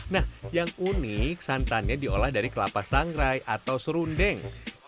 nah yang unik santannya diolah dari kelapa sangrai atau serundeng